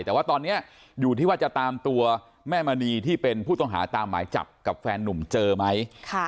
แต่ว่าตอนนี้อยู่ที่ว่าจะตามตัวแม่มณีที่เป็นผู้ต้องหาตามหมายจับกับแฟนนุ่มเจอไหม